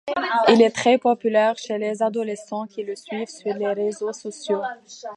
Il est très populaire chez les adolescents qui le suivent sur les réseaux sociaux.